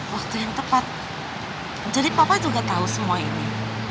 waktu yang tepat jadi papa juga tahu semua ini